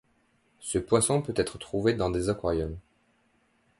Ce poisson peut être trouvé dans des aquariums.